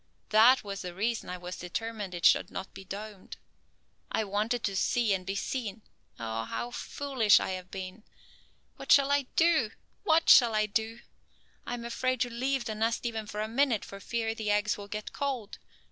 That was the reason I was determined it should not be domed. I wanted to see and be seen. Oh, how foolish I have been! What shall I do? What shall I do? I am afraid to leave the nest even for a minute for fear the eggs will get cold.